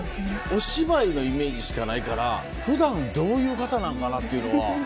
お芝居のイメージしかないから普段どういう方なのかなっていうのは。